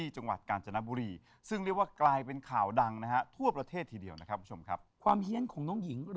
จังหวัดกาญจนบุรีซึ่งเรียกว่ากลายเป็นข่าวดังนะฮะทั่วประเทศทีเดียวนะครับคุณผู้ชมครับความเฮียนของน้องหญิง